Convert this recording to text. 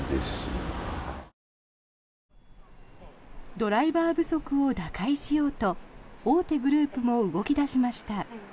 ドライバー不足を打開しようと大手グループも動き出しました。